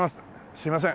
すみません。